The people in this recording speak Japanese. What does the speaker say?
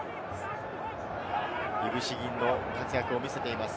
いぶし銀の活躍を見せています。